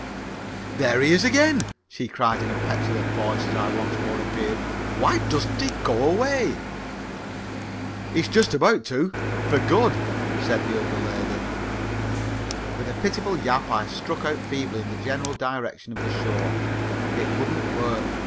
"There he is again!" she cried in a petulant voice as I once more appeared. "Why doesn't he go away?" "He's just about to for good!" said the other lady. With a pitiful yap I struck out feebly in the general direction of the shore. It wouldn't work.